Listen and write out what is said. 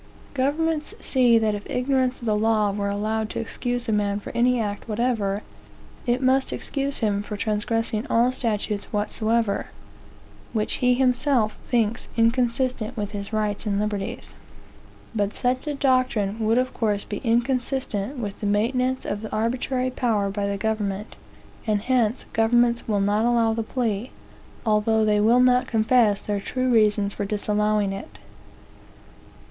Governments see that if ignorance of the law were allowed to excuse a man for any act whatever, it must excuse him for transgressing all statutes whatsoever, which he himself thinks inconsistent with his rights and liberties. But such a doctrine would of course be inconsistent with the maintenance of arbitrary power by the government; and hence governments will not allow the plea, although they will not confess their true reasons for disallowing it.